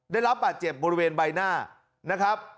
ได้รับบาดเจ็บบริเวณใบหน้านะครับ